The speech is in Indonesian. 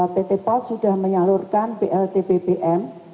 pt pos sudah menyalurkan plt ppm